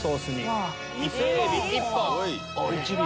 伊勢エビ一本。